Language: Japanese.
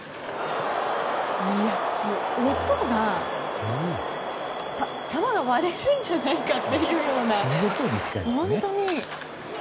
もう、音が球が割れるんじゃないかっていうような。